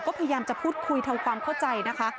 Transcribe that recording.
ก็พยายามจะพูดคุยทำความเข้าใจนะคะ